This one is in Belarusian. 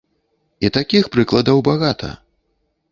І такіх прыкладаў багата.